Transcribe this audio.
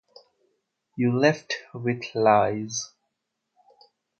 You left with lies.